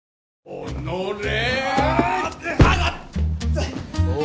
おのれ！